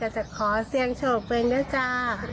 ก็จะขอเสียงโชคไปนะจ้า